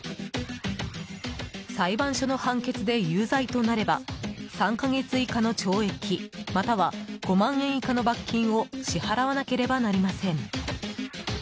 裁判所の判決で有罪となれば３か月以下の懲役または５万円以下の罰金を支払わなければなりません。